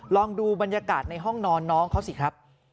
ลองดูบรรยากาศในห้องนอนน้องเขาสิครับ